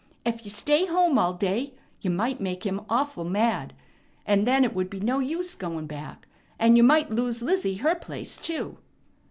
Ef you stay home all day, you might make him awful mad; and then it would be no use goin' back, and you might lose Lizzie her place too."